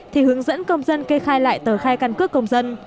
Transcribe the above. thì hướng dẫn công dân kê khai lại tờ khai căn cước công dân